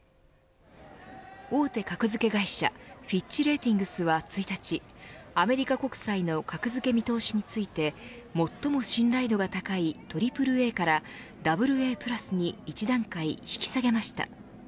大手格付け会社フィッチ・レーティングスは１日アメリカ国債の格付け見通しについて最も信頼度が高いＡＡＡからＡＡ＋に１段階引き下げました。